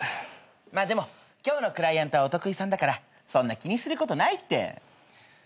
でも今日のクライアントはお得意さんだからそんな気にすることないって。